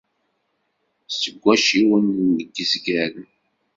Seg wacciwen n yizgaren.